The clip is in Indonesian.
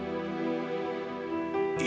ibu yang rela tidak tidur pulas